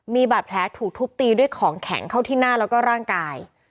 มีบาดแผลถูกทุบตีด้วยของแข็งเข้าที่หน้าแล้วก็ร่างกาย